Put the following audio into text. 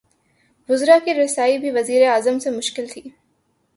وزرا کی رسائی بھی وزیر اعظم سے مشکل تھی۔